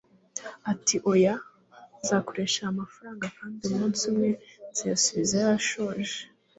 ati oya, nzakoresha aya mafaranga kandi umunsi umwe nzayasubizayashoje